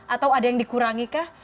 atau ada yang dikurangikah